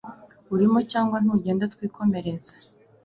urimo cyangwa ntugenda twikomereze